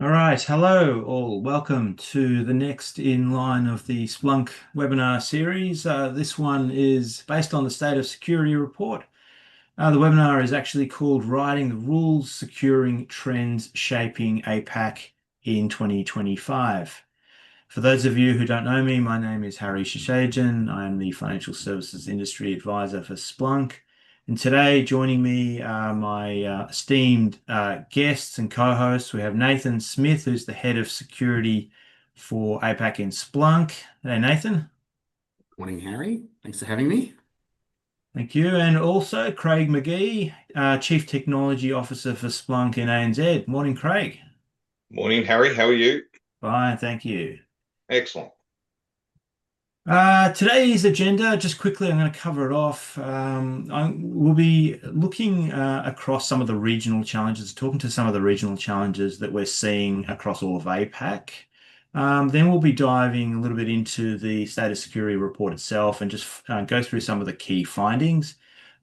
All right, hello all. Welcome to the next in line of the Splunk Webinar series. This one is based on the State of Security Report. The webinar is actually called "Writing the Rules Securing Trends Shaping APAC in 2025." For those of you who don't know me, my name is Harry Chichadjian. I am the Financial Services Industry Advisor for Splunk. And today, joining me are my esteemed guests and co-hosts. We have Nathan Smith, who's the Head of Security for APAC in Splunk. Hey, Nathan. Morning, Harry. Thanks for having me. Thank you. And also Craig Magee, Chief Technology Officer for Splunk and ANZ. Morning, Craig. Morning, Harry. How are you? Fine. Thank you. Excellent. Today's agenda, just quickly, I'm going to cover it off. We'll be looking across some of the regional challenges, talking to some of the regional challenges that we're seeing across all of APAC. Then we'll be diving a little bit into the State of Security Report itself and just go through some of the key findings.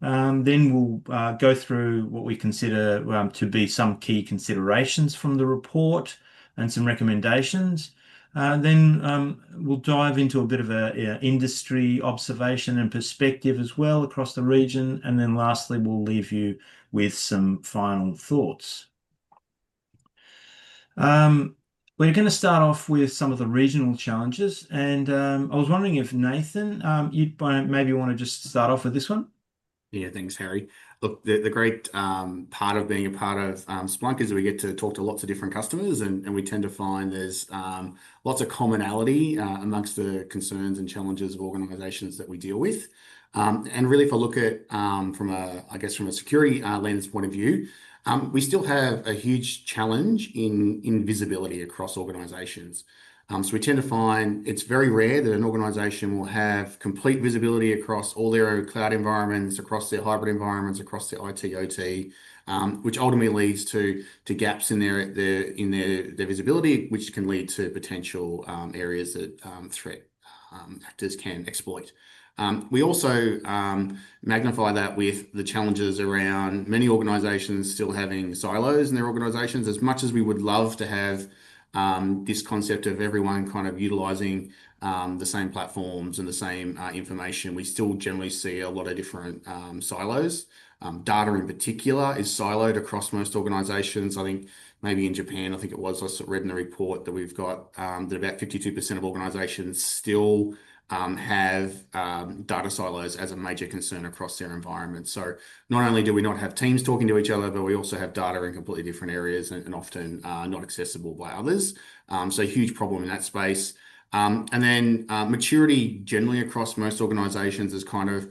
Then we'll go through what we consider to be some key considerations from the report and some recommendations. Then we'll dive into a bit of an industry observation and perspective as well across the region. And then lastly, we'll leave you with some final thoughts. We're going to start off with some of the regional challenges. And I was wondering if Nathan, you'd maybe want to just start off with this one. Yeah, thanks, Harry. Look, the great part of being a part of Splunk is we get to talk to lots of different customers, and we tend to find there's lots of commonality amongst the concerns and challenges of organizations that we deal with, and really, if I look at, I guess, from a security lens point of view, we still have a huge challenge in visibility across organizations. So we tend to find it's very rare that an organization will have complete visibility across all their cloud environments, across their hybrid environments, across their IT/OT, which ultimately leads to gaps in their visibility, which can lead to potential areas that threat actors can exploit. We also magnify that with the challenges around many organizations still having silos in their organizations. As much as we would love to have this concept of everyone kind of utilizing the same platforms and the same information, we still generally see a lot of different silos. Data in particular is siloed across most organizations. I think maybe in Japan, I think it was, I read in a report that we've got that about 52% of organizations still have data silos as a major concern across their environment. So not only do we not have teams talking to each other, but we also have data in completely different areas and often not accessible by others. So a huge problem in that space, and then maturity generally across most organizations is kind of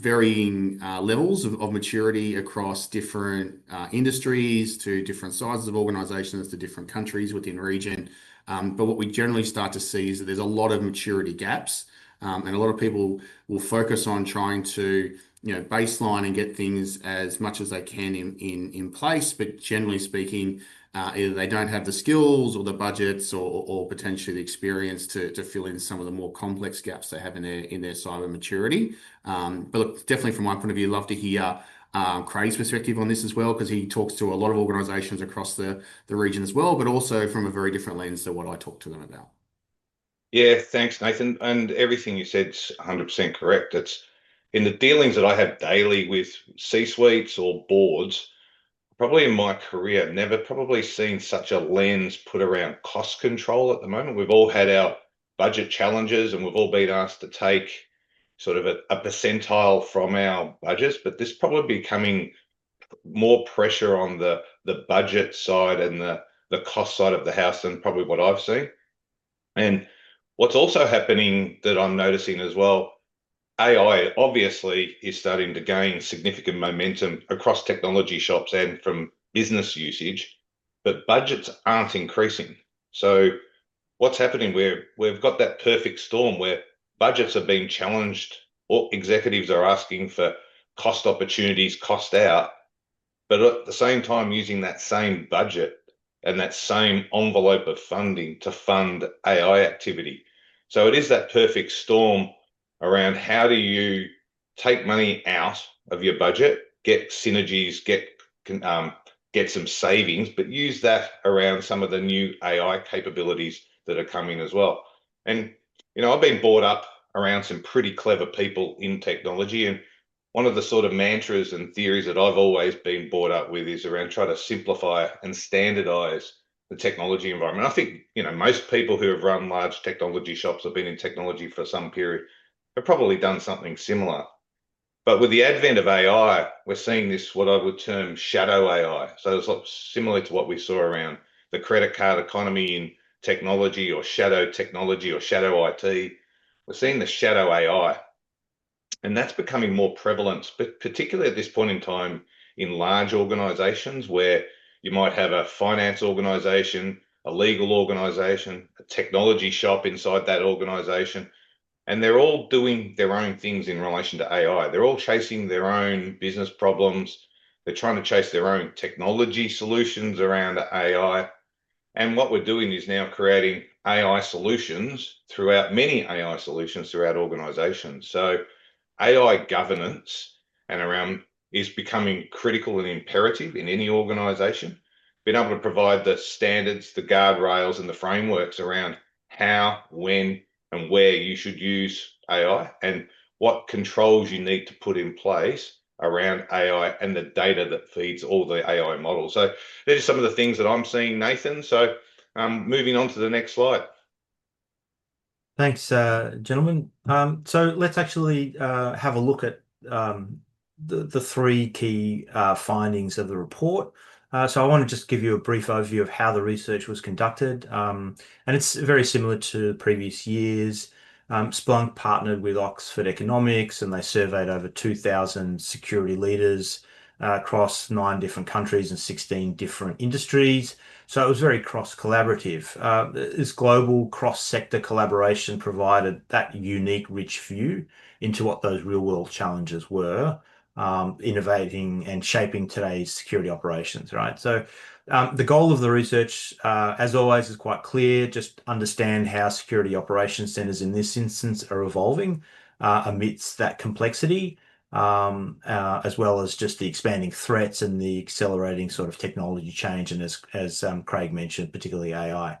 varying levels of maturity across different industries, to different sizes of organizations, to different countries within the region, but what we generally start to see is that there's a lot of maturity gaps, and a lot of people will focus on trying to baseline and get things as much as they can in place. But generally speaking, either they don't have the skills or the budgets or potentially the experience to fill in some of the more complex gaps they have in their cyber maturity, but look, definitely from my point of view, love to hear Craig's perspective on this as well, because he talks to a lot of organizations across the region as well, but also from a very different lens to what I talk to them about. Yeah, thanks, Nathan, and everything you said is 100% correct. In the dealings that I have daily with C-suites or boards, probably in my career, never probably seen such a lens put around cost control at the moment. We've all had our budget challenges, and we've all been asked to take sort of a percentile from our budgets. But this is probably becoming more pressure on the budget side and the cost side of the house than probably what I've seen. And what's also happening that I'm noticing as well. AI obviously is starting to gain significant momentum across technology shops and from business usage, but budgets aren't increasing. So what's happening? We've got that perfect storm where budgets are being challenged or executives are asking for cost opportunities, cost out, but at the same time using that same budget and that same envelope of funding to fund AI activity. So it is that perfect storm around how do you take money out of your budget, get synergies, get some savings, but use that around some of the new AI capabilities that are coming as well. And I've been brought up around some pretty clever people in technology. And one of the sort of mantras and theories that I've always been brought up with is around trying to simplify and standardize the technology environment. I think most people who have run large technology shops or been in technology for some period have probably done something similar. But with the advent of AI, we're seeing this, what I would term, shadow AI. So it's similar to what we saw around the credit card economy in technology or shadow technology or shadow IT. We're seeing the shadow AI. And that's becoming more prevalent, particularly at this point in time in large organizations where you might have a finance organization, a legal organization, a technology shop inside that organization. And they're all doing their own things in relation to AI. They're all chasing their own business problems. They're trying to chase their own technology solutions around AI. And what we're doing is now creating AI solutions throughout many AI solutions throughout organizations. So AI governance is becoming critical and imperative in any organization. Being able to provide the standards, the guardrails, and the frameworks around how, when, and where you should use AI and what controls you need to put in place around AI and the data that feeds all the AI models. So these are some of the things that I'm seeing, Nathan. So moving on to the next slide. Thanks, gentlemen. So let's actually have a look at the three key findings of the report. So I want to just give you a brief overview of how the research was conducted. And it's very similar to previous years. Splunk partnered with Oxford Economics, and they surveyed over 2,000 security leaders across nine different countries and 16 different industries. So it was very cross-collaborative. This global cross-sector collaboration provided that unique, rich view into what those real-world challenges were innovating and shaping today's security operations, right? So the goal of the research, as always, is quite clear. Just understand how security operation centers in this instance are evolving amidst that complexity. As well as just the expanding threats and the accelerating sort of technology change. And as Craig mentioned, particularly AI.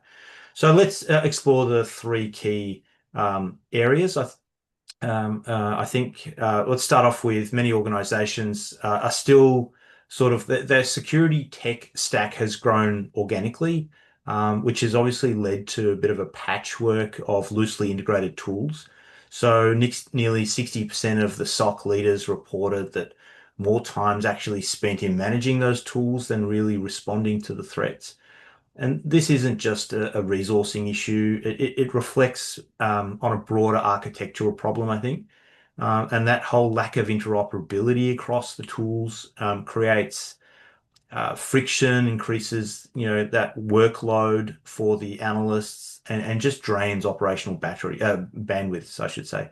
So let's explore the three key areas. I think let's start off with many organizations are still sort of their security tech stack has grown organically, which has obviously led to a bit of a patchwork of loosely integrated tools. So nearly 60% of the SOC leaders reported that more time is actually spent in managing those tools than really responding to the threats. And this isn't just a resourcing issue. It reflects on a broader architectural problem, I think. And that whole lack of interoperability across the tools creates friction, increases that workload for the analysts, and just drains operational bandwidth, I should say.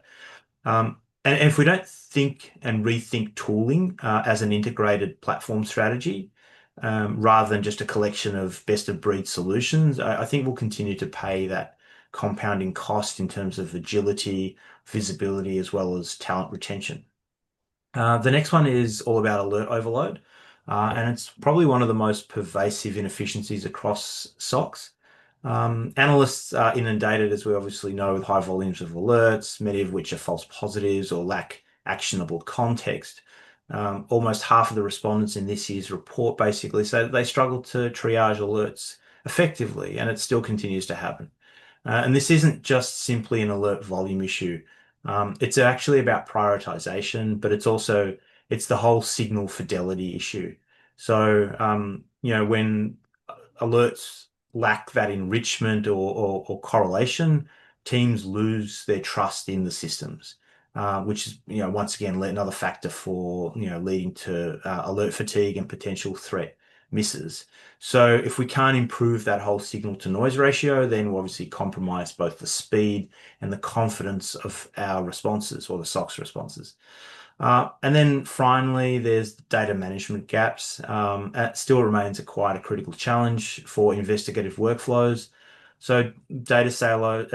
And if we don't think and rethink tooling as an integrated platform strategy, rather than just a collection of best-of-breed solutions, I think we'll continue to pay that compounding cost in terms of agility, visibility, as well as talent retention. The next one is all about alert overload. And it's probably one of the most pervasive inefficiencies across SOCs. Analysts are inundated, as we obviously know, with high volumes of alerts, many of which are false positives or lack actionable context. Almost half of the respondents in this year's report basically said they struggled to triage alerts effectively, and it still continues to happen. And this isn't just simply an alert volume issue. It's actually about prioritization, but it's also the whole signal fidelity issue. So when alerts lack that enrichment or correlation, teams lose their trust in the systems, which is, once again, another factor for leading to alert fatigue and potential threat misses. So if we can't improve that whole signal-to-noise ratio, then we'll obviously compromise both the speed and the confidence of our responses or the SOCs' responses. And then finally, there's data management gaps. It still remains quite a critical challenge for investigative workflows. So data silos,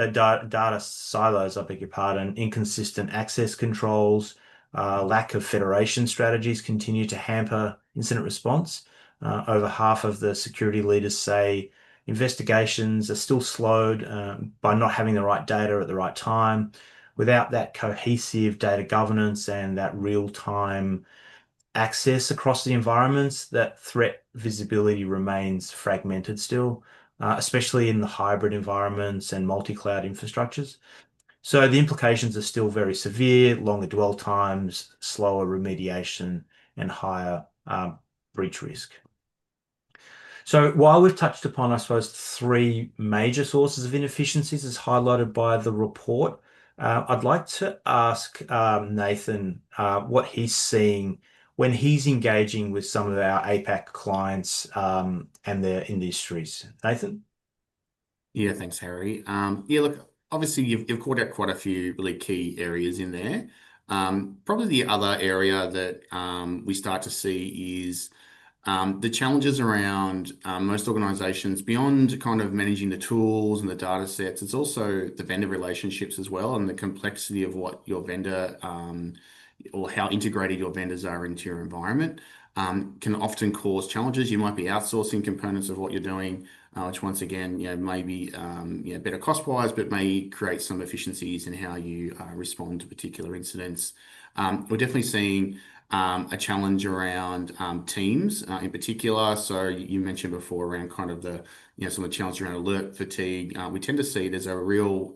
I beg your pardon, inconsistent access controls, lack of federation strategies continue to hamper incident response. Over half of the security leaders say investigations are still slowed by not having the right data at the right time. Without that cohesive data governance and that real-time access across the environments, that threat visibility remains fragmented still, especially in the hybrid environments and multi-cloud infrastructures. So the implications are still very severe: longer dwell times, slower remediation, and higher breach risk. So while we've touched upon, I suppose, three major sources of inefficiencies as highlighted by the report, I'd like to ask Nathan what he's seeing when he's engaging with some of our APAC clients and their industries. Nathan? Yeah, thanks, Harry. Yeah, look, obviously, you've caught out quite a few really key areas in there. Probably the other area that we start to see is the challenges around most organizations, beyond kind of managing the tools and the data sets. It's also the vendor relationships as well. And the complexity of what your vendor or how integrated your vendors are into your environment can often cause challenges. You might be outsourcing components of what you're doing, which once again may be better cost-wise, but may create some inefficiencies in how you respond to particular incidents. We're definitely seeing a challenge around teams in particular. So you mentioned before around kind of the some of the challenges around alert fatigue. We tend to see there's a real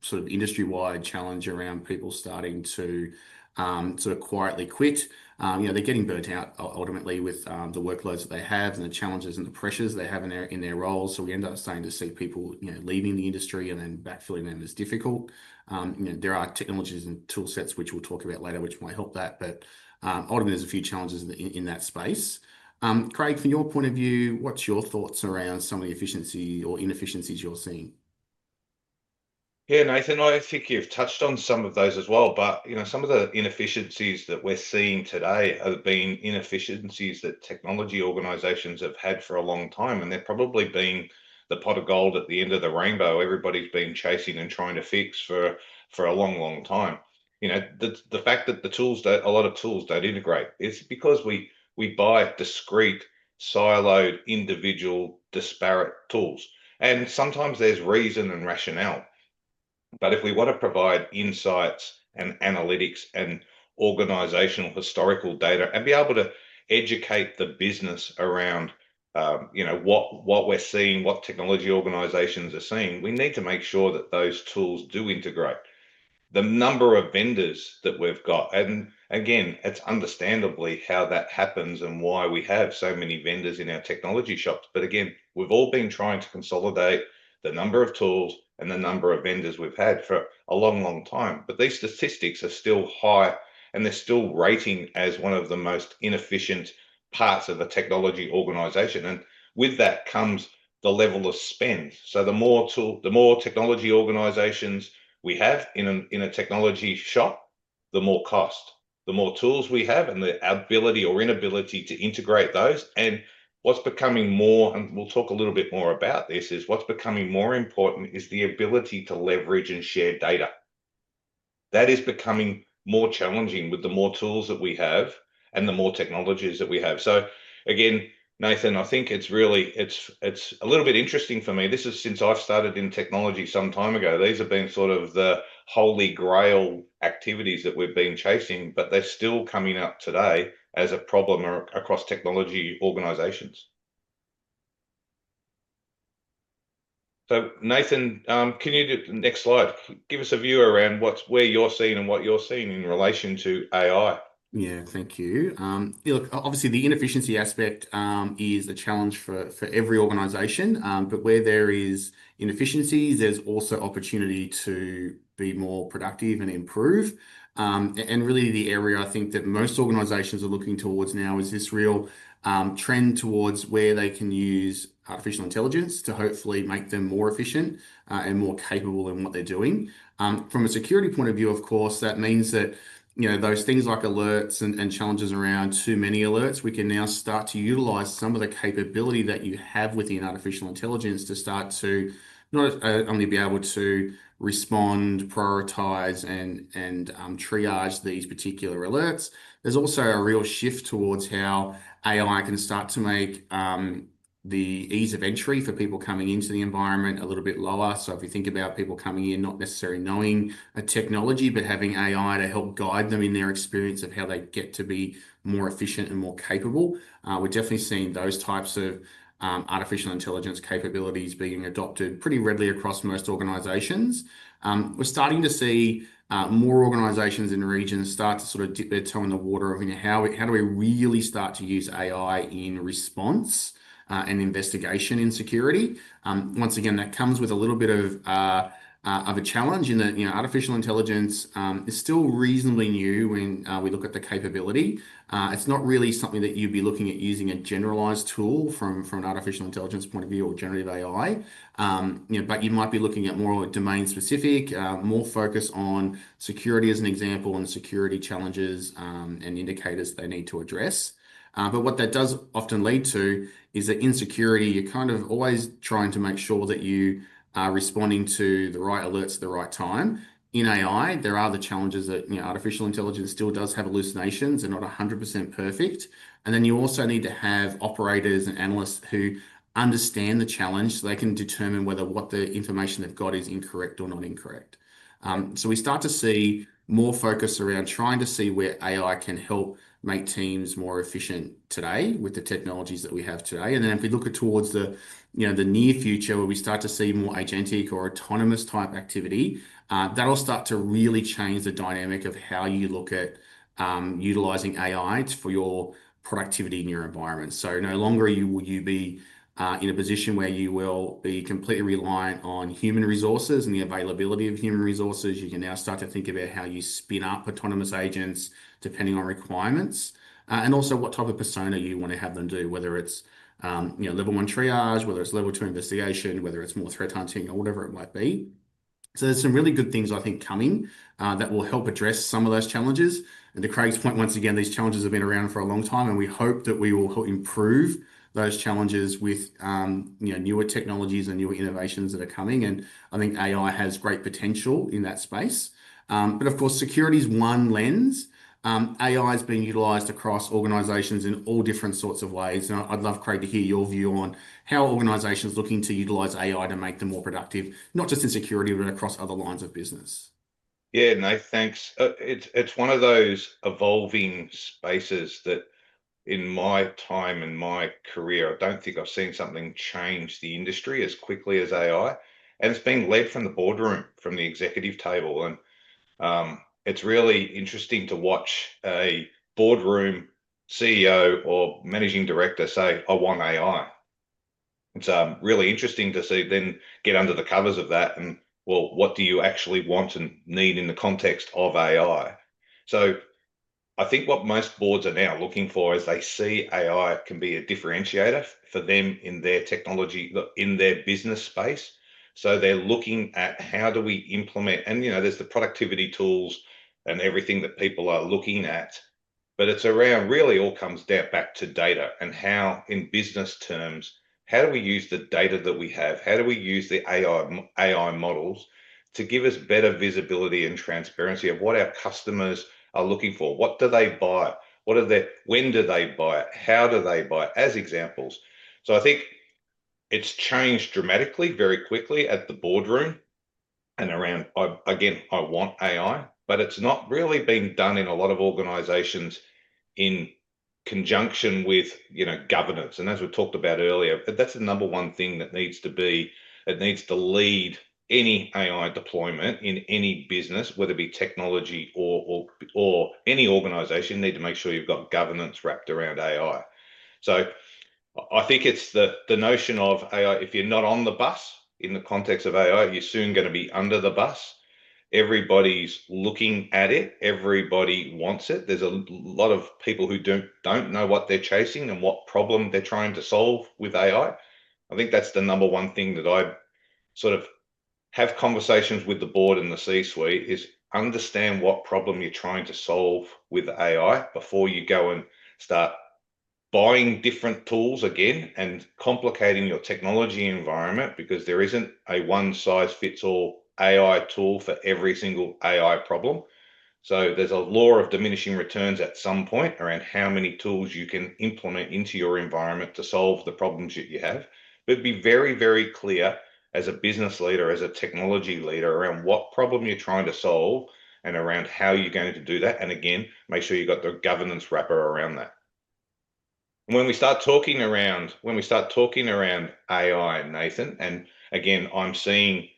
sort of industry-wide challenge around people starting to sort of quietly quit. They're getting burnt out ultimately with the workloads that they have and the challenges and the pressures they have in their roles. So we end up starting to see people leaving the industry and then backfilling them is difficult. There are technologies and tool sets which we'll talk about later, which might help that. But ultimately, there's a few challenges in that space. Craig, from your point of view, what's your thoughts around some of the efficiency or inefficiencies you're seeing? Yeah, Nathan, I think you've touched on some of those as well. But some of the inefficiencies that we're seeing today have been inefficiencies that technology organizations have had for a long time. And they're probably being the pot of gold at the end of the rainbow everybody's been chasing and trying to fix for a long, long time. The fact that a lot of tools don't integrate, it's because we buy discrete, siloed, individual, disparate tools. And sometimes there's reason and rationale. But if we want to provide insights and analytics and organizational historical data and be able to educate the business around what we're seeing, what technology organizations are seeing, we need to make sure that those tools do integrate. The number of vendors that we've got, and again, it's understandably how that happens and why we have so many vendors in our technology shops. But again, we've all been trying to consolidate the number of tools and the number of vendors we've had for a long, long time. But these statistics are still high, and they're still rating as one of the most inefficient parts of a technology organization. And with that comes the level of spend. So the more technology organizations we have in a technology shop, the more cost, the more tools we have, and the ability or inability to integrate those. And what's becoming more, and we'll talk a little bit more about this, is what's becoming more important is the ability to leverage and share data. That is becoming more challenging with the more tools that we have and the more technologies that we have. So again, Nathan, I think it's really, it's a little bit interesting for me. This is since I've started in technology some time ago. These have been sort of the holy grail activities that we've been chasing, but they're still coming up today as a problem across technology organizations. So Nathan, can you do the next slide? Give us a view around where you're seeing and what you're seeing in relation to AI. Yeah, thank you. Look, obviously, the inefficiency aspect is a challenge for every organization. But where there is inefficiencies, there's also opportunity to be more productive and improve. And really, the area I think that most organizations are looking towards now is this real trend towards where they can use artificial intelligence to hopefully make them more efficient and more capable in what they're doing. From a security point of view, of course, that means that those things like alerts and challenges around too many alerts, we can now start to utilize some of the capability that you have within artificial intelligence to start to not only be able to respond, prioritize, and triage these particular alerts. There's also a real shift towards how AI can start to make the ease of entry for people coming into the environment a little bit lower. So if you think about people coming in, not necessarily knowing a technology, but having AI to help guide them in their experience of how they get to be more efficient and more capable, we're definitely seeing those types of artificial intelligence capabilities being adopted pretty readily across most organizations. We're starting to see more organizations in the region start to sort of dip their toe in the water of how do we really start to use AI in response and investigation in security. Once again, that comes with a little bit of a challenge in that artificial intelligence is still reasonably new when we look at the capability. It's not really something that you'd be looking at using a generalized tool from an artificial intelligence point of view or generative AI. But you might be looking at more domain-specific, more focus on security as an example and security challenges and indicators they need to address. But what that does often lead to is that in security, you're kind of always trying to make sure that you are responding to the right alerts at the right time. In AI, there are the challenges that artificial intelligence still does have hallucinations. They're not 100% perfect. And then you also need to have operators and analysts who understand the challenge so they can determine whether what the information they've got is incorrect or not incorrect. So we start to see more focus around trying to see where AI can help make teams more efficient today with the technologies that we have today. And then if we look towards the near future where we start to see more agentic or autonomous type activity, that'll start to really change the dynamic of how you look at utilizing AI for your productivity in your environment. So no longer will you be in a position where you will be completely reliant on human resources and the availability of human resources. You can now start to think about how you spin up autonomous agents depending on requirements. And also what type of persona you want to have them do, whether it's. Level-one triage, whether it's level-two investigation, whether it's more threat hunting, or whatever it might be. So there's some really good things, I think, coming that will help address some of those challenges, and to Craig's point, once again, these challenges have been around for a long time, and we hope that we will improve those challenges with newer technologies and newer innovations that are coming, and I think AI has great potential in that space, but of course, security is one lens. AI has been utilized across organizations in all different sorts of ways, and I'd love, Craig, to hear your view on how organizations are looking to utilize AI to make them more productive, not just in security, but across other lines of business. Yeah, no, thanks. It's one of those evolving spaces that. In my time and my career, I don't think I've seen something change the industry as quickly as AI. And it's been led from the boardroom, from the executive table. It's really interesting to watch a boardroom CEO or managing director say, "I want AI." It's really interesting to see them get under the covers of that and, well, what do you actually want and need in the context of AI? So I think what most boards are now looking for is they see AI can be a differentiator for them in their technology, in their business space. So they're looking at how do we implement, and there's the productivity tools and everything that people are looking at. But it's around really all comes down back to data and how, in business terms, how do we use the data that we have? How do we use the AI models to give us better visibility and transparency of what our customers are looking for? What do they buy? What are their, when do they buy it? How do they buy it? As examples. So I think it's changed dramatically, very quickly at the boardroom. And around, again, I want AI, but it's not really being done in a lot of organizations in conjunction with governance. And as we talked about earlier, that's the number one thing that needs to be, it needs to lead any AI deployment in any business, whether it be technology or any organization. You need to make sure you've got governance wrapped around AI. So I think it's the notion of AI, if you're not on the bus in the context of AI, you're soon going to be under the bus. Everybody's looking at it. Everybody wants it. There's a lot of people who don't know what they're chasing and what problem they're trying to solve with AI. I think that's the number one thing that I sort of have conversations with the board and the C-suite is understand what problem you're trying to solve with AI before you go and start buying different tools again and complicating your technology environment because there isn't a one-size-fits-all AI tool for every single AI problem. So there's a law of diminishing returns at some point around how many tools you can implement into your environment to solve the problems that you have. But be very, very clear as a business leader, as a technology leader around what problem you're trying to solve and around how you're going to do that. And again, make sure you've got the governance wrapper around that. And when we start talking around AI, Nathan, and again, I'm seeing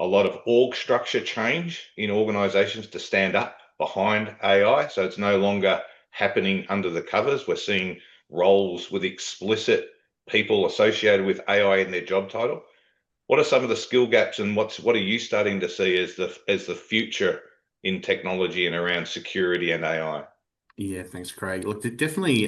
a lot of org structure change in organizations to stand up behind AI. So it's no longer happening under the covers. We're seeing roles with explicit people associated with AI in their job title. What are some of the skill gaps and what are you starting to see as the future in technology and around security and AI? Yeah, thanks, Craig. Look, definitely,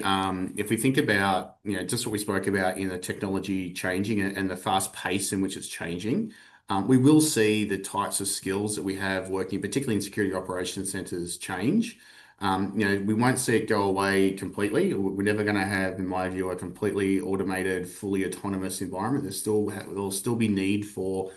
if we think about just what we spoke about in the technology changing and the fast pace in which it's changing, we will see the types of skills that we have working, particularly in security operations centers, change. We won't see it go away completely. We're never going to have, in my view, a completely automated, fully autonomous environment. There'll still be a need for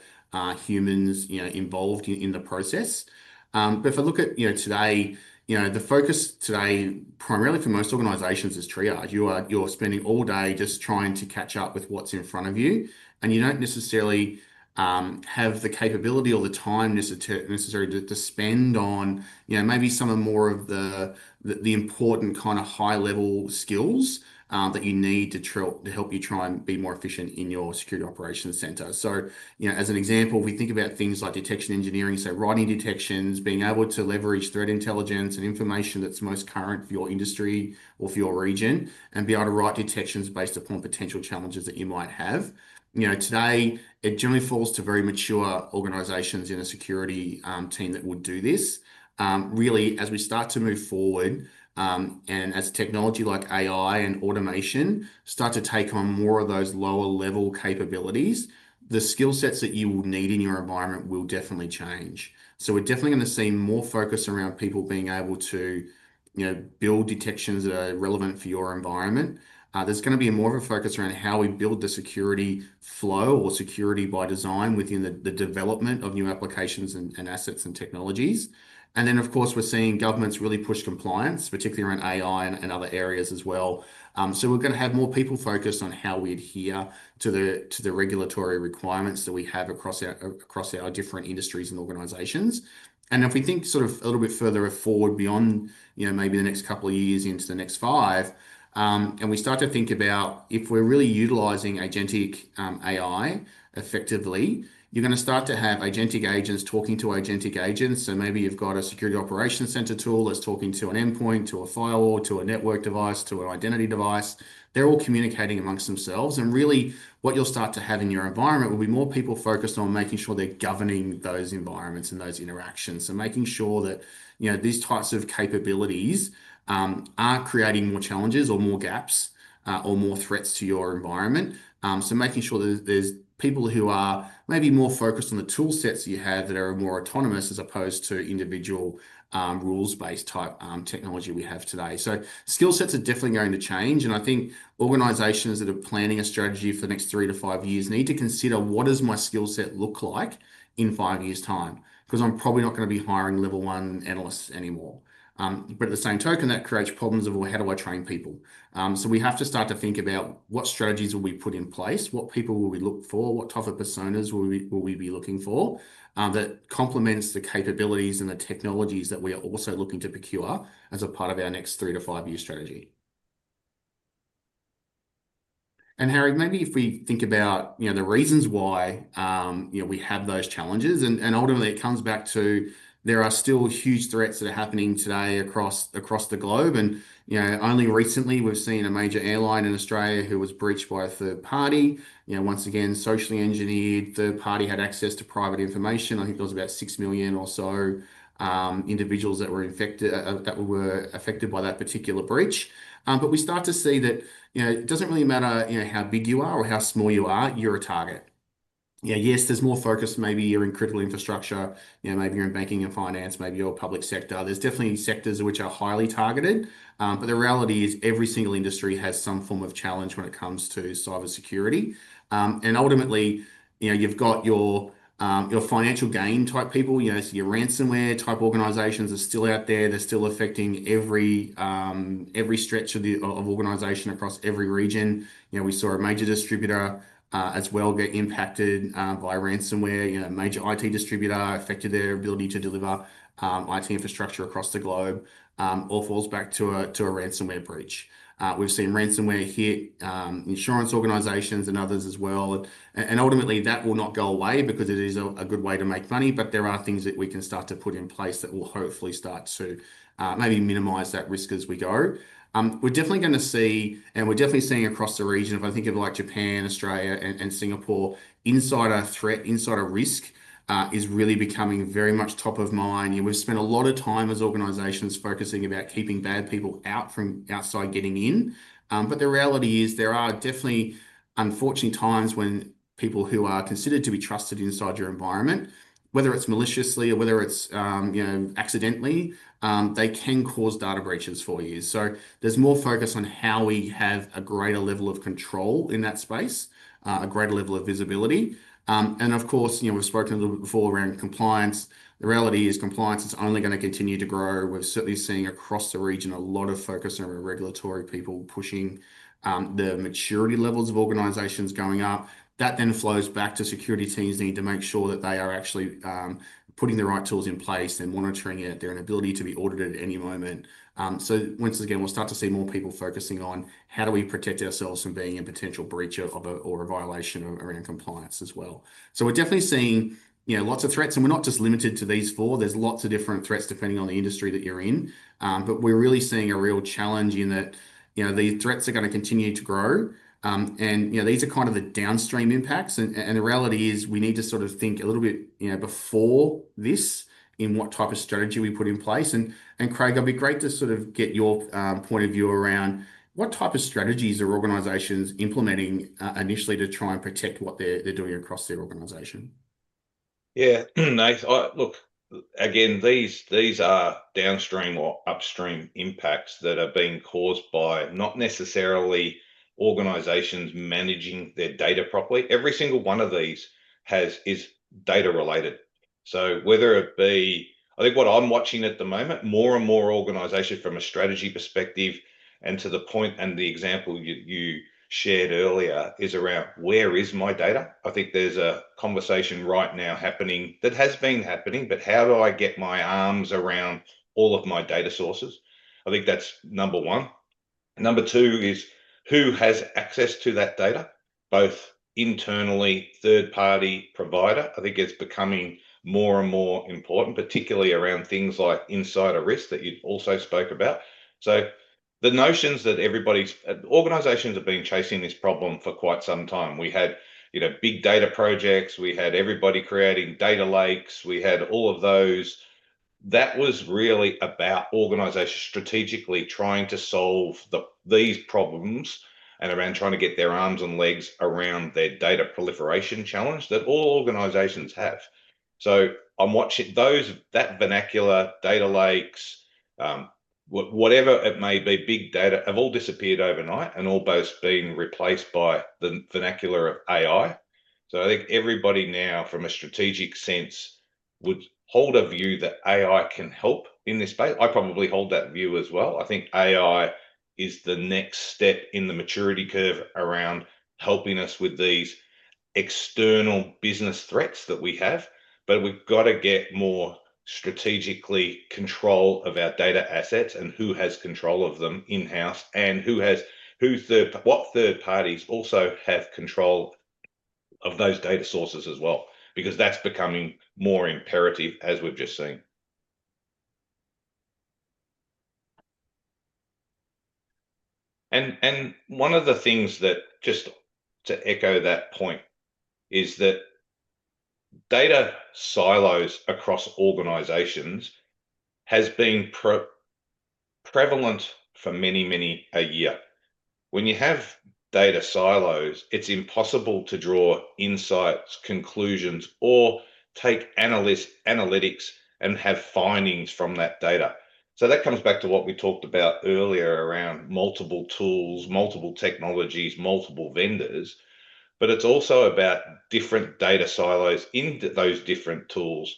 humans involved in the process, but if I look at today, the focus today primarily for most organizations is triage. You're spending all day just trying to catch up with what's in front of you, and you don't necessarily have the capability or the time necessary to spend on maybe some of the more important kind of high-level skills that you need to help you try and be more efficient in your security operations center, so as an example, we think about things like detection engineering, so writing detections, being able to leverage threat intelligence and information that's most current for your industry or for your region, and be able to write detections based upon potential challenges that you might have. Today, it generally falls to very mature organizations in a security team that would do this. Really, as we start to move forward and as technology like AI and automation start to take on more of those lower-level capabilities, the skill sets that you will need in your environment will definitely change, so we're definitely going to see more focus around people being able to build detections that are relevant for your environment. There's going to be more of a focus around how we build the security flow or security by design within the development of new applications and assets and technologies, and then, of course, we're seeing governments really push compliance, particularly around AI and other areas as well, so we're going to have more people focused on how we adhere to the regulatory requirements that we have across our different industries and organizations, and if we think sort of a little bit further forward beyond maybe the next couple of years into the next five, and we start to think about if we're really utilizing agentic AI effectively, you're going to start to have agentic agents talking to agentic agents, so maybe you've got a security operations center tool that's talking to an endpoint, to a firewall, to a network device, to an identity device. They're all communicating among themselves, and really, what you'll start to have in your environment will be more people focused on making sure they're governing those environments and those interactions, so making sure that these types of capabilities are creating more challenges or more gaps or more threats to your environment, so making sure that there's people who are maybe more focused on the tool sets you have that are more autonomous as opposed to individual rules-based type technology we have today. So skill sets are definitely going to change. I think organizations that are planning a strategy for the next 3-5 years need to consider what does my skill set look like in five years' time because I'm probably not going to be hiring level-one analysts anymore. But at the same token, that creates problems of, well, how do I train people? So we have to start to think about what strategies will we put in place, what people will we look for, what type of personas will we be looking for. That complements the capabilities and the technologies that we are also looking to procure as a part of our next three-to five-year strategy. And Harry, maybe if we think about the reasons why we have those challenges. And ultimately, it comes back to there are still huge threats that are happening today across the globe. And only recently, we've seen a major airline in Australia who was breached by a third party. Once again, socially engineered, third party had access to private information. I think there was about six million or so individuals that were affected by that particular breach. But we start to see that it doesn't really matter how big you are or how small you are, you're a target. Yeah, yes, there's more focus maybe in critical infrastructure. Maybe you're in banking and finance, maybe you're in public sector. There's definitely sectors which are highly targeted. But the reality is every single industry has some form of challenge when it comes to cybersecurity. And ultimately, you've got your financial gain type people. Your ransomware type organizations are still out there. They're still affecting every stretch of the organization across every region. We saw a major distributor as well get impacted by ransomware. A major IT distributor affected their ability to deliver IT infrastructure across the globe. All falls back to a ransomware breach. We've seen ransomware hit insurance organizations and others as well. And ultimately, that will not go away because it is a good way to make money, but there are things that we can start to put in place that will hopefully start to maybe minimize that risk as we go. We're definitely going to see, and we're definitely seeing across the region, if I think of Japan, Australia, and Singapore, insider threat, insider risk is really becoming very much top of mind. We've spent a lot of time as organizations focusing about keeping bad people out from outside getting in. But the reality is there are definitely, unfortunately, times when people who are considered to be trusted inside your environment, whether it's maliciously or whether it's accidentally, they can cause data breaches for you. So there's more focus on how we have a greater level of control in that space, a greater level of visibility. And of course, we've spoken a little bit before around compliance. The reality is compliance is only going to continue to grow. We're certainly seeing across the region a lot of focus on regulatory people pushing. The maturity levels of organizations going up. That then flows back to security teams needing to make sure that they are actually putting the right tools in place and monitoring their ability to be audited at any moment. So once again, we'll start to see more people focusing on how do we protect ourselves from being a potential breach or a violation around compliance as well. So we're definitely seeing lots of threats, and we're not just limited to these four. There's lots of different threats depending on the industry that you're in. But we're really seeing a real challenge in that. These threats are going to continue to grow. And these are kind of the downstream impacts. And the reality is we need to sort of think a little bit before this in what type of strategy we put in place. And Craig, it'd be great to sort of get your point of view around what type of strategies are organizations implementing initially to try and protect what they're doing across their organization. Yeah, nice. Look, again, these are downstream or upstream impacts that are being caused by not necessarily organizations managing their data properly. Every single one of these is data-related. So whether it be, I think what I'm watching at the moment, more and more organizations from a strategy perspective and to the point and the example you shared earlier is around where is my data? I think there's a conversation right now happening that has been happening, but how do I get my arms around all of my data sources? I think that's number one. Number two is who has access to that data, both internally, third-party provider. I think it's becoming more and more important, particularly around things like insider risk that you also spoke about. So the notions that organizations have been chasing this problem for quite some time. We had big data projects. We had everybody creating data lakes. We had all of those. That was really about organizations strategically trying to solve these problems and around trying to get their arms and legs around their data proliferation challenge that all organizations have. So I'm watching that the vernacular, data lakes, whatever it may be, big data, have all disappeared overnight and all both being replaced by the vernacular of AI. So I think everybody now, from a strategic sense, would hold a view that AI can help in this space. I probably hold that view as well. I think AI is the next step in the maturity curve around helping us with these external business threats that we have. But we've got to get more strategic control of our data assets and who has control of them in-house and who, what third parties also have control of those data sources as well because that's becoming more imperative as we've just seen. And one of the things that just to echo that point is that data silos across organizations has been prevalent for many, many a year. When you have data silos, it's impossible to draw insights, conclusions, or take analytics and have findings from that data. So that comes back to what we talked about earlier around multiple tools, multiple technologies, multiple vendors. But it's also about different data silos in those different tools,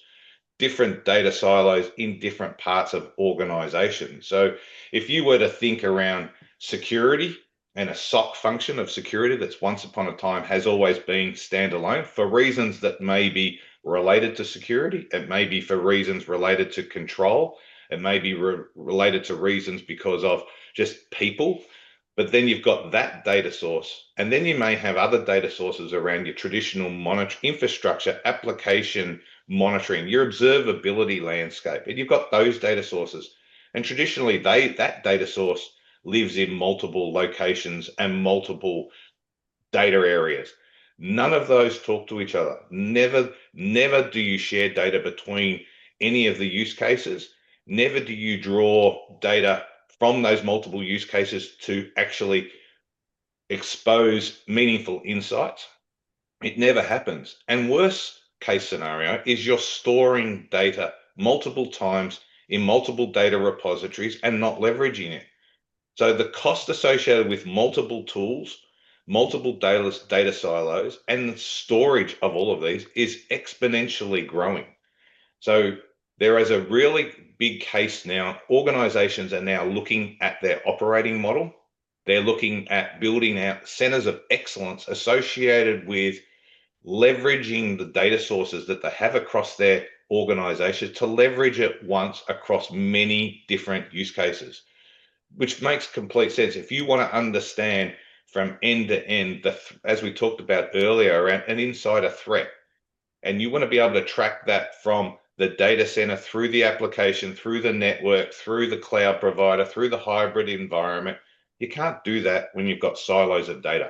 different data silos in different parts of organizations. So if you were to think around security and a SOC function of security that's once upon a time has always been standalone for reasons that may be related to security. It may be for reasons related to control. It may be related to reasons because of just people. But then you've got that data source. And then you may have other data sources around your traditional infrastructure application monitoring, your observability landscape. And you've got those data sources. And traditionally, that data source lives in multiple locations and multiple data areas. None of those talk to each other. Never do you share data between any of the use cases. Never do you draw data from those multiple use cases to actually expose meaningful insights. It never happens. And worst-case scenario is you're storing data multiple times in multiple data repositories and not leveraging it. So the cost associated with multiple tools, multiple data silos, and the storage of all of these is exponentially growing. So there is a really big case now. Organizations are now looking at their operating model. They're looking at building out centers of excellence associated with leveraging the data sources that they have across their organization to leverage it once across many different use cases, which makes complete sense. If you want to understand from end to end, as we talked about earlier, around an insider threat, and you want to be able to track that from the data center through the application, through the network, through the cloud provider, through the hybrid environment, you can't do that when you've got silos of data.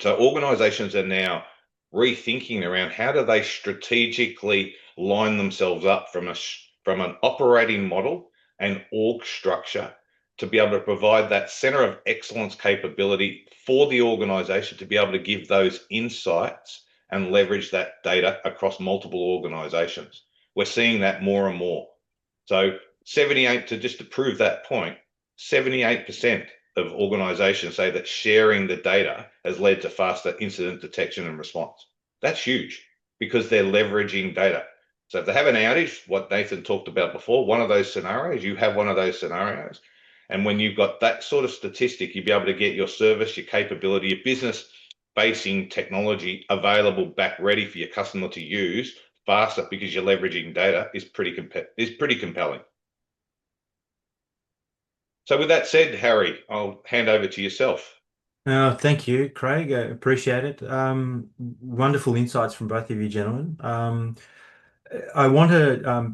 So organizations are now rethinking around how do they strategically line themselves up from an operating model and org structure to be able to provide that center of excellence capability for the organization to be able to give those insights and leverage that data across multiple organizations. We're seeing that more and more. So to just prove that point, 78% of organizations say that sharing the data has led to faster incident detection and response. That's huge because they're leveraging data. So if they have an outage, what Nathan talked about before, one of those scenarios, you have one of those scenarios. And when you've got that sort of statistic, you'd be able to get your service, your capability, your business-enabling technology available back ready for your customer to use faster because you're leveraging data is pretty compelling. So with that said, Harry, I'll hand over to yourself. Thank you, Craig. I appreciate it. Wonderful insights from both of you, gentlemen. I want to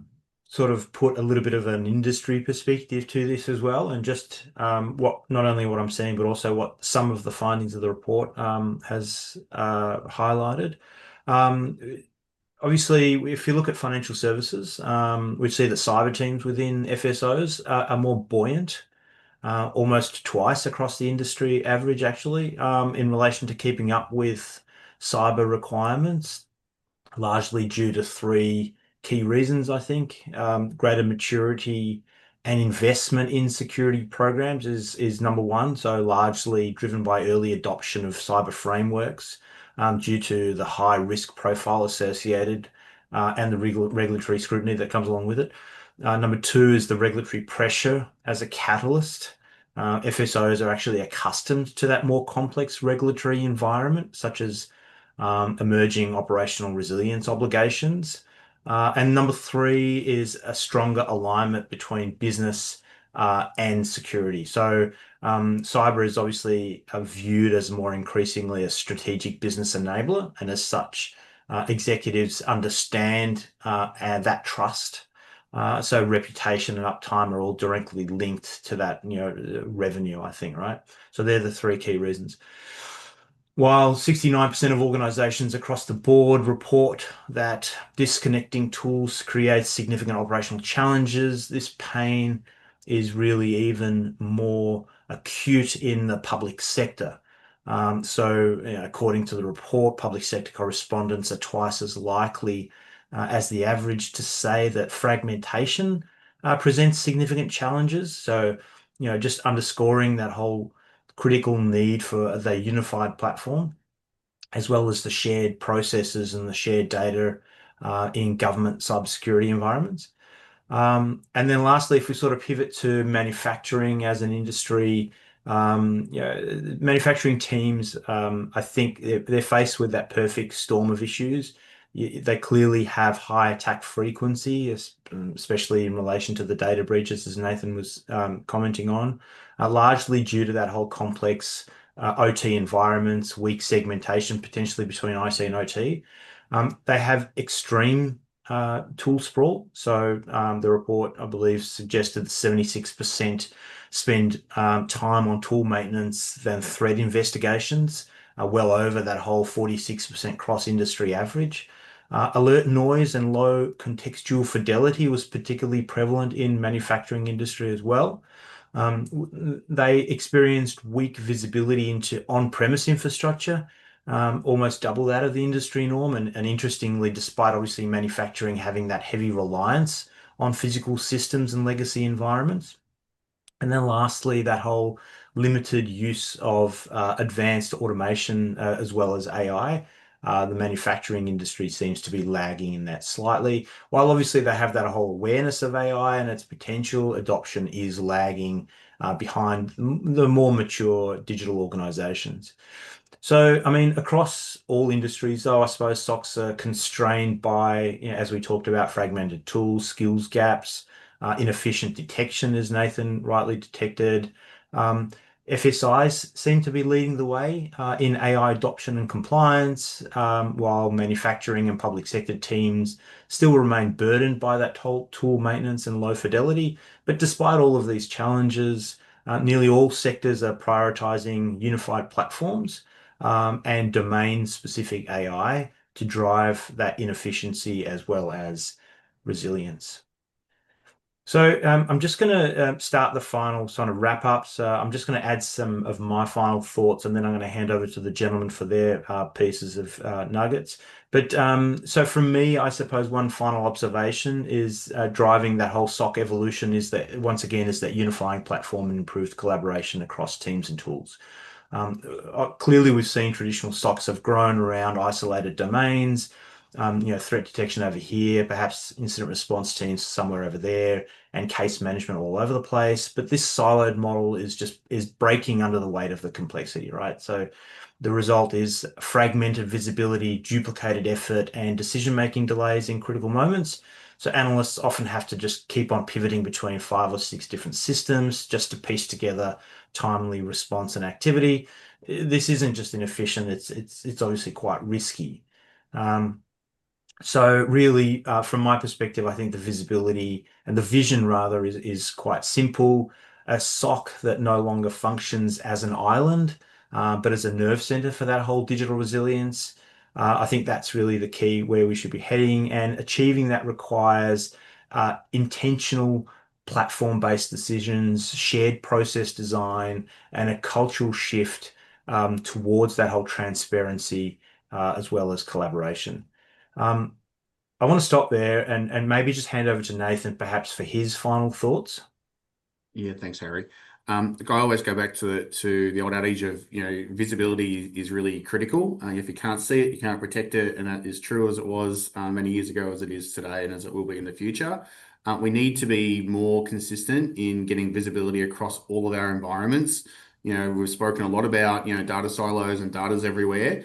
sort of put a little bit of an industry perspective to this as well and just not only what I'm seeing, but also what some of the findings of the report has highlighted. Obviously, if you look at financial services, we see that cyber teams within FSOs are more buoyant, almost twice across the industry average, actually, in relation to keeping up with cyber requirements, largely due to three key reasons, I think. Greater maturity and investment in security programs is number one, so largely driven by early adoption of cyber frameworks due to the high-risk profile associated and the regulatory scrutiny that comes along with it. Number two is the regulatory pressure as a catalyst. FSOs are actually accustomed to that more complex regulatory environment, such as emerging operational resilience obligations. Number three is a stronger alignment between business and security. Cyber is obviously viewed as more increasingly a strategic business enabler, and as such, executives understand that trust, so reputation and uptime are all directly linked to that revenue, I think, right? They're the three key reasons. While 69% of organizations across the board report that disconnecting tools creates significant operational challenges, this pain is really even more acute in the public sector. According to the report, public sector respondents are twice as likely as the average to say that fragmentation presents significant challenges. Just underscoring that whole critical need for the unified platform as well as the shared processes and the shared data in government cybersecurity environments. If we sort of pivot to manufacturing as an industry, manufacturing teams, I think they're faced with that perfect storm of issues. They clearly have high attack frequency, especially in relation to the data breaches, as Nathan was commenting on, largely due to that whole complex OT environments, weak segmentation potentially between IT and OT. They have extreme tool sprawl. The report, I believe, suggested 76% spend time on tool maintenance than threat investigations, well over that whole 46% cross-industry average. Alert noise and low contextual fidelity was particularly prevalent in the manufacturing industry as well. They experienced weak visibility into on-premises infrastructure, almost double that of the industry norm. Interestingly, despite obviously manufacturing having that heavy reliance on physical systems and legacy environments and then lastly, that whole limited use of advanced automation as well as AI, the manufacturing industry seems to be lagging in that slightly. While obviously they have that whole awareness of AI and its potential adoption is lagging behind the more mature digital organizations. I mean, across all industries, though, I suppose SOCs are constrained by, as we talked about, fragmented tools, skills gaps, inefficient detection, as Nathan rightly detected. FSIs seem to be leading the way in AI adoption and compliance, while manufacturing and public sector teams still remain burdened by that tool maintenance and low fidelity. But despite all of these challenges, nearly all sectors are prioritizing unified platforms and domain-specific AI to drive that inefficiency as well as resilience. So I'm just going to start the final sort of wrap-ups. I'm just going to add some of my final thoughts, and then I'm going to hand over to the gentlemen for their pieces of nuggets. But so for me, I suppose one final observation is driving that whole SOC evolution is that, once again, is that unifying platform and improved collaboration across teams and tools. Clearly, we've seen traditional SOCs have grown around isolated domains. Threat detection over here, perhaps incident response teams somewhere over there, and case management all over the place. But this siloed model is just breaking under the weight of the complexity, right? So the result is fragmented visibility, duplicated effort, and decision-making delays in critical moments. So analysts often have to just keep on pivoting between five or six different systems just to piece together timely response and activity. This isn't just inefficient. It's obviously quite risky. So really, from my perspective, I think the visibility and the vision, rather, is quite simple. A SOC that no longer functions as an island, but as a nerve center for that whole digital resilience. I think that's really the key where we should be heading. And achieving that requires intentional platform-based decisions, shared process design, and a cultural shift towards that whole transparency as well as collaboration. I want to stop there and maybe just hand over to Nathan, perhaps for his final thoughts. Yeah, thanks, Harry. I always go back to the old adage of visibility is really critical. If you can't see it, you can't protect it. And that is true as it was many years ago, as it is today, and as it will be in the future. We need to be more consistent in getting visibility across all of our environments. We've spoken a lot about data silos and data is everywhere.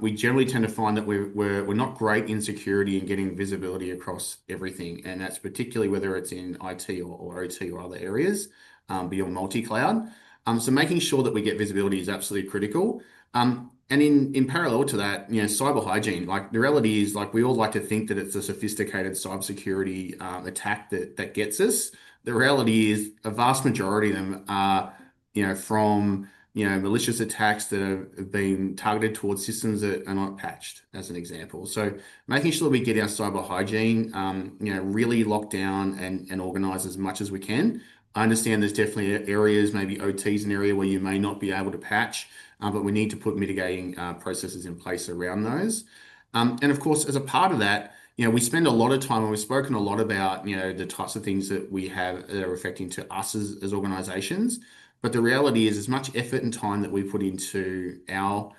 We generally tend to find that we're not great in security and getting visibility across everything. And that's particularly whether it's in IT or OT or other areas, but your multi-cloud. So making sure that we get visibility is absolutely critical. And in parallel to that, cyber hygiene, the reality is we all like to think that it's a sophisticated cybersecurity attack that gets us. The reality is a vast majority of them are from malicious attacks that have been targeted towards systems that are not patched, as an example. So making sure that we get our cyber hygiene really locked down and organized as much as we can. I understand there's definitely areas, maybe OT is an area where you may not be able to patch, but we need to put mitigating processes in place around those. And of course, as a part of that, we spend a lot of time and we've spoken a lot about the types of things that we have that are affecting us as organizations. But the reality is, as much effort and time that we put into our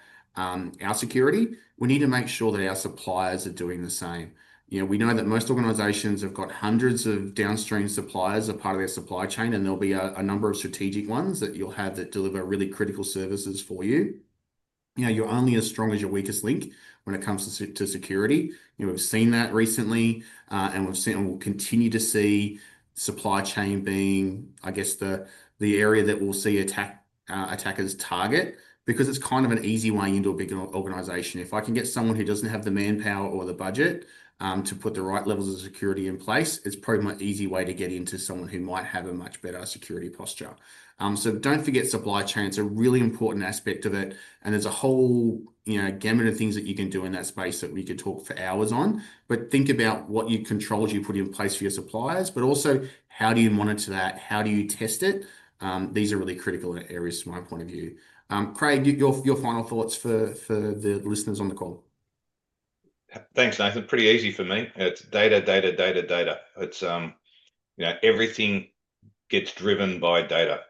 security, we need to make sure that our suppliers are doing the same. We know that most organizations have got hundreds of downstream suppliers as part of their supply chain, and there'll be a number of strategic ones that you'll have that deliver really critical services for you. You're only as strong as your weakest link when it comes to security. We've seen that recently, and we'll continue to see supply chain being, I guess, the area that we'll see attackers target because it's kind of an easy way into a big organization. If I can get someone who doesn't have the manpower or the budget to put the right levels of security in place, it's probably my easy way to get into someone who might have a much better security posture. So don't forget supply chain. It's a really important aspect of it. And there's a whole gamut of things that you can do in that space that we could talk for hours on. But think about what controls you put in place for your suppliers, but also how do you monitor that? How do you test it? These are really critical areas from my point of view. Craig, your final thoughts for the listeners on the call? Thanks, Nathan. Pretty easy for me. It's data, data, data, data. Everything gets driven by data,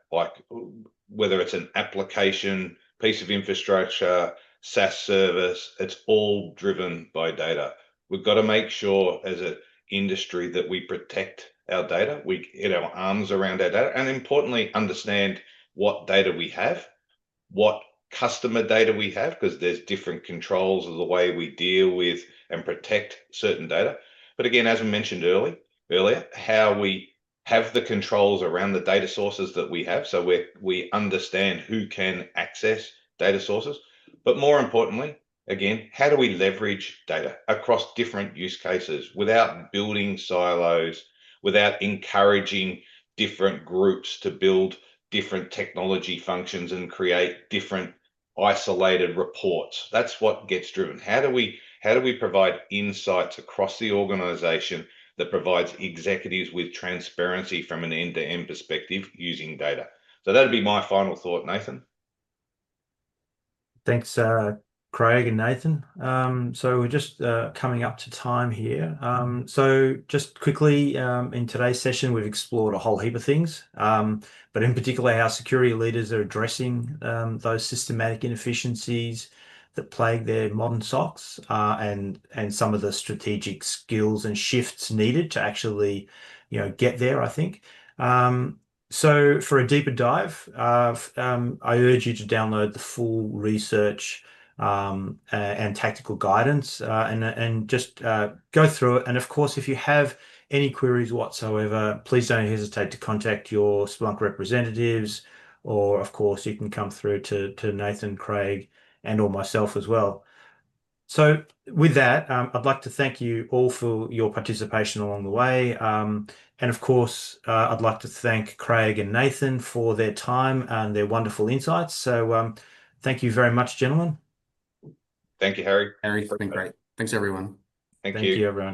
whether it's an application, piece of infrastructure, SaaS service, it's all driven by data. We've got to make sure as an industry that we protect our data, we get our arms around our data, and importantly, understand what data we have, what customer data we have, because there's different controls of the way we deal with and protect certain data. But again, as we mentioned earlier, how we have the controls around the data sources that we have so we understand who can access data sources. But more importantly, again, how do we leverage data across different use cases without building silos, without encouraging different groups to build different technology functions and create different isolated reports? That's what gets driven. How do we provide insights across the organization that provides executives with transparency from an end-to-end perspective using data? So that would be my final thought, Nathan. Thanks, Craig and Nathan, so we're just coming up to time here. Just quickly, in today's session, we've explored a whole heap of things, but in particular, how security leaders are addressing those systemic inefficiencies that plague their modern SOCs and some of the strategic skills and shifts needed to actually get there, I think. For a deeper dive, I urge you to download the full research and tactical guidance and just go through it. Of course, if you have any queries whatsoever, please don't hesitate to contact your Splunk representatives, or of course, you can come through to Nathan, Craig, and/or myself as well. With that, I'd like to thank you all for your participation along the way, and of course, I'd like to thank Craig and Nathan for their time and their wonderful insights. Thank you very much, gentlemen. Thank you, Harry. Thanks, everyone. Thank you.